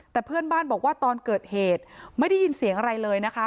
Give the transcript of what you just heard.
แต่เพื่อนบ้านบอกว่าตอนเกิดเหตุไม่ได้ยินเสียงอะไรเลยนะคะ